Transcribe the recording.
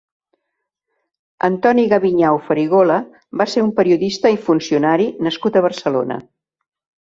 Antoni Gabinyau Farigola va ser un periodista i funcionari nascut a Barcelona.